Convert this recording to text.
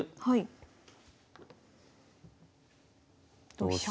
同飛車。